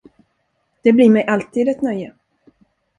Det blir mig alltid ett nöje.